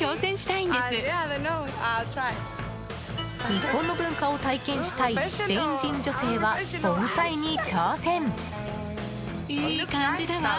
日本の文化を体験したいスペイン人女性は、盆栽に挑戦。